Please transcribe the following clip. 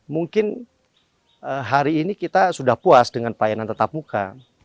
mungkin hari ini kita sudah puas dengan pelayanan tetap muka